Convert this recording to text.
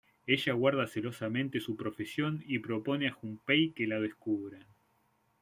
Ella guarda celosamente su profesión y propone a Junpei que lo descubra.